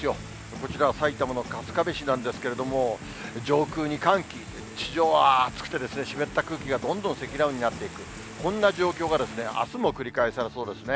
こちらは埼玉の春日部市なんですけど、上空に寒気、地上は暑くて、湿った空気がどんどん積乱雲になっていく、こんな状況があすも繰り返されそうですね。